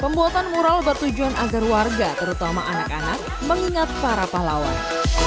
pembuatan mural bertujuan agar warga terutama anak anak mengingat para pahlawan